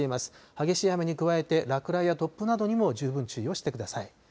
激しい雨に加えて落雷や突風などにも十分注意をしてください。